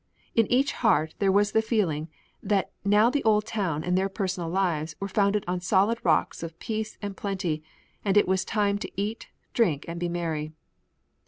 In each heart there was the feeling that now the old town and their personal lives were founded on solid rocks of peace and plenty and it was the time to eat, drink and be merry.